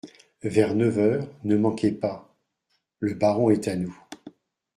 Vers neuf heures, ne manquez pas … Le baron est à nous.